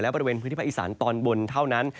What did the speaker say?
บริเวณพื้นที่ภาคอีสานตอนบนเท่านั้น